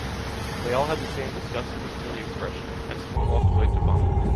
They all had the same disgusted and silly expression, and someone walked away to vomit.